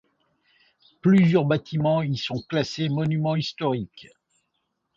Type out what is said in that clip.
Plusieurs bâtiments y sont classés monuments historiques.